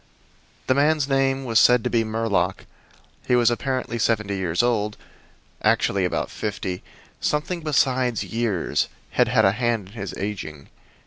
The man's name was said to be Murlock. He was apparently seventy years old, actually about fifty. Something besides years had had a hand in his aging.